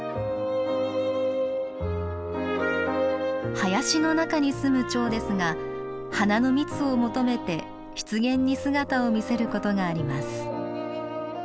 林の中に住むチョウですが花の蜜を求めて湿原に姿を見せることがあります。